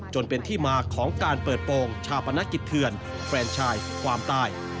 จนเป็นที่มาของการเปิดโปรงชาปนกิจเถื่อนแฟนชายความตาย